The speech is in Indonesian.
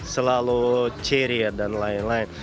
selalu ceria dan lain lain